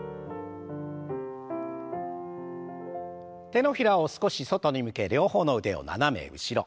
手のひらを少し外に向け両方の腕を斜め後ろ。